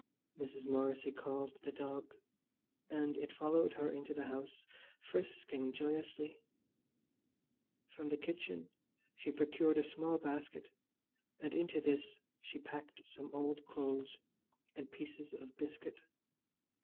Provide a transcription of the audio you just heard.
Mrs. Morrissy called the dog, and it followed her into the house, frisking joyously. From the kitchen she procured a small basket, and into this she packed some old cloths and pieces of biscuit.